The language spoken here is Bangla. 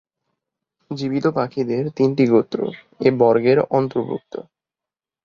জীবিত পাখিদের তিনটি গোত্র এ বর্গের অন্তর্ভুক্ত।